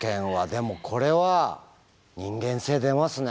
でもこれは人間性出ますね。